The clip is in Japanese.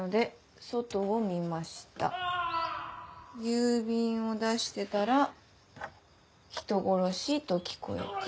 「郵便を出してたら『人殺し』と聞こえて」。